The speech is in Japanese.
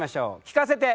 聞かせて！